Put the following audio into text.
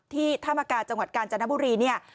ที่ธามกาจังหวัดกาลจานบุรีเนี่ย